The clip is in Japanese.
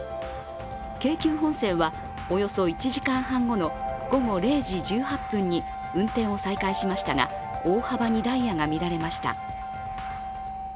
京急本線はおよそ１時間半後の午後０時１８分に運転を再開しましたが大幅にダイヤが乱れました。